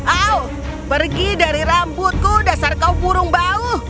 oh pergi dari rambutku dasar kau burung bau